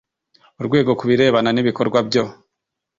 Urwego ku birebana n ibikorwa byo